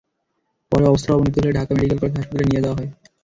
পরে অবস্থার অবনতি হলে ঢাকা মেডিকেল কলেজ হাসপাতালে নিয়ে যাওয়া হয়।